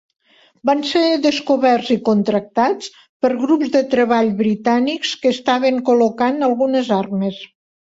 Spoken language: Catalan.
Van ser descoberts i contractats per grups de treball britànics que estaven col·locant algunes armes.